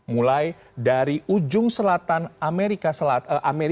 mulai dari ujung selatan amerika selatan